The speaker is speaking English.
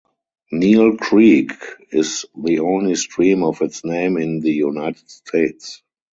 Neill Creek is the only stream of its name in the United States.